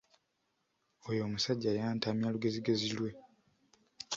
Oyo omusajja yantamya lugezigezi lwe.